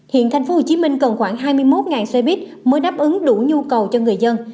hiện tp hcm cần khoảng hai mươi một xe buýt mới đáp ứng đủ nhu cầu cho người dân